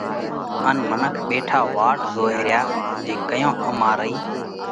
ان منک ٻيٺا واٽ زوئه ريا جي ڪئيون امارِي